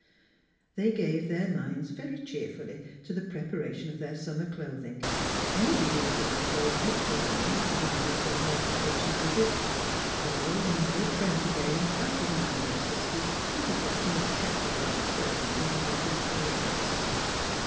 They gave their minds very cheerfully to the prepa ration of their summer clothing ; envied Elizabeth those extra garments provided for her approaching visit; quarrelled and made friends again after the manner of sisters whose affection is tempered by certain individual failings.